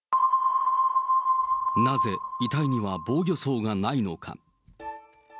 なぜ遺体には防御創がないのか。